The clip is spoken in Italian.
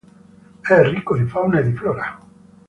È ricco di fauna e di flora.